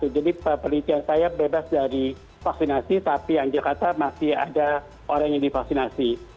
jadi penelitian saya bebas dari vaksinasi tapi di jakarta masih ada orang yang divaksinasi